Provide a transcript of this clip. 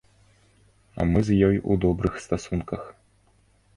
Мы з ёй у добрых стасунках.